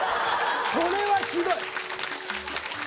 それはひどい！